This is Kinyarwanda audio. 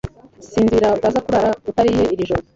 Sinzira utaza kurara utariye iri joro